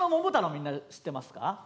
みんな知ってますか？